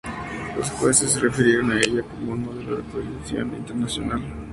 Los jueces se refirieron a ella como una modelo con proyección internacional.